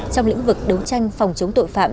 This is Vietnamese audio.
trong lĩnh vực đấu tranh phòng chống tội phạm